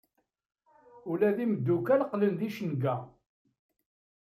Ula d imeddukal qqlen d icenga.